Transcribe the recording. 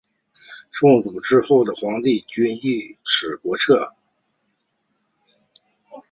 宋太祖之后的皇帝均遵守此国策。